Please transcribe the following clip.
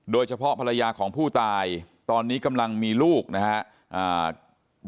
ภรรยาของผู้ตายตอนนี้กำลังมีลูกนะครับ